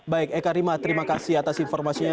baik eka rima terima kasih atas informasinya